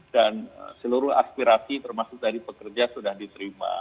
dan seluruh aspirasi termasuk dari pekerja sudah diterima